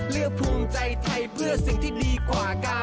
เลือกภูมิใจไทยเพื่อสิ่งที่ดีกว่ากา